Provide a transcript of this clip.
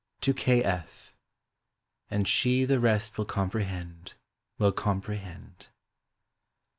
[To K. F.] " And she the rest will comprehend, will comprehend."